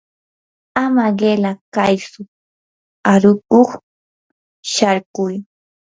ama qila kaytsu aruqkuq sharkuy.